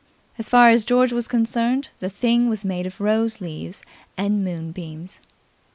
As far as George was concerned, the thing was made of rose leaves and moon beams.